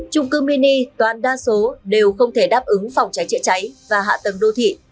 chung cư mini toàn đa số đều không thể đáp ứng phòng trái trịa cháy và hạ tầng đô thị